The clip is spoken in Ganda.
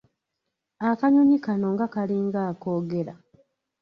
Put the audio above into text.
Akanyonyi kano nga kalinga akoogera!